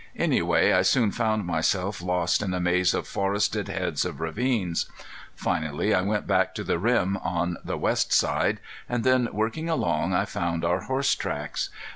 Anyway I soon found myself lost in a maze of forested heads of ravines. Finally I went back to the rim on the west side, and then working along I found our horse tracks.